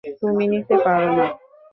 তুমি নিতে পারো না?